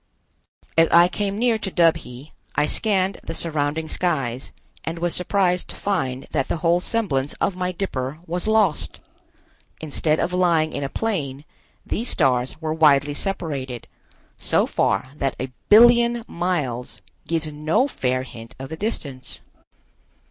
As I came near to Dubhe, I scanned the surrounding skies and was surprised to find that the whole semblance of my dipper was lost. Instead of lying in a plane, these stars were widely separated, so far that a billion miles gives no fair hint of the distance.